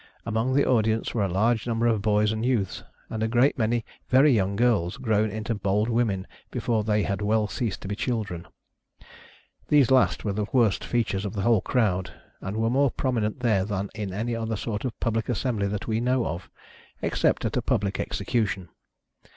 Among the audience were a large number of boys and youths, and a great many very young girls grown into bold women before they had well ceased to be children. These last were the worst features of the whole crowd, and were more prominent there than ia any other sort of public assembly that we know of, except at a public execution.